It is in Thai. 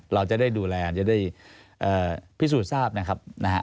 เราจะได้ดูแลจะได้พิสูจน์ทราบนะครับนะฮะ